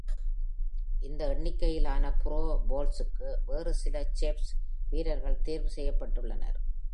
இந்த எண்ணிக்கையிலான Pro Bowls-க்கு வேறு சில Chiefs வீரர்கள் தேர்வு செய்யப்பட்டுள்ளனர்.